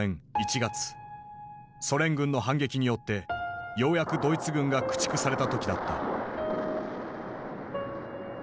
ソ連軍の反撃によってようやくドイツ軍が駆逐された時だった。